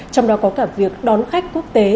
trong đó có cả việc đón khách quốc tế